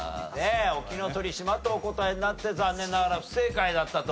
沖ノ鳥島とお答えになって残念ながら不正解だったと。